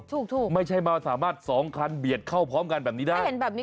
ถูกไม่ใช่มาสามารถสองคันเบียดเข้าพร้อมกันแบบนี้ได้